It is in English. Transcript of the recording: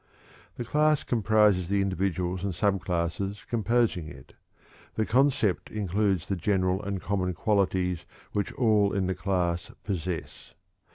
The class comprises the individuals and subclasses composing it; the concept includes the general and common qualities which all in the class possess.